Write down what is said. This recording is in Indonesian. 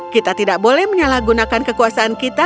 kita tidak boleh menyalahgunakan kekuasaan kita